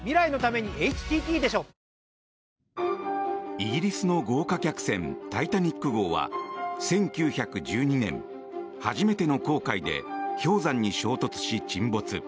イギリスの豪華客船「タイタニック号」は１９１２年、初めての航海で氷山に衝突し、沈没。